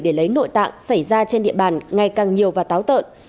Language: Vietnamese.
để lấy nội tạng xảy ra trên địa bàn ngày càng nhiều và táo tợn